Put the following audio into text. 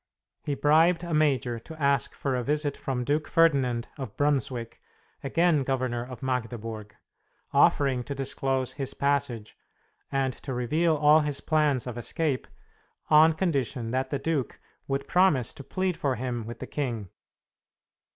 He bribed a major to ask for a visit from Duke Ferdinand of Brunswick, again Governor of Magdeburg, offering to disclose his passage, and to reveal all his plans of escape, on condition that the duke would promise to plead for him with the king.